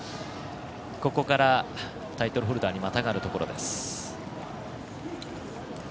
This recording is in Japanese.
ここからタイトルホルダーにまたがるところです。